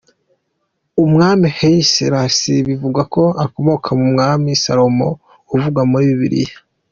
Umwami Haile Selassie bivugwa ko akomoka ku mwami Salomon uvugwa muri Bibiliya.